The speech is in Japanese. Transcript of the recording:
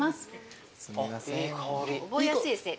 覚えやすいですね